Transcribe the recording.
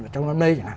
trong năm nay